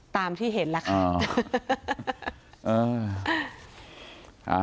ตามที่เห็นแหละค่ะ